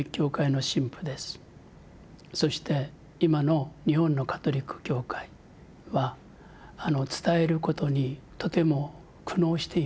そして今の日本のカトリック教会は伝えることにとても苦悩しています。